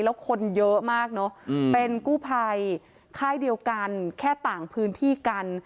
แล้วคนเยอะมากเนอะเป็นกู้ภัยค่ายเดียวกันแค่ต่างพื้นที่กัน